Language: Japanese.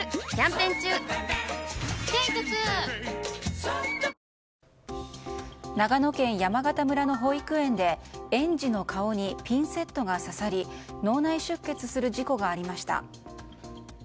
ペイトク長野県山形村の保育園で園児の顔にピンセットが刺さり脳内出血する事故がありました。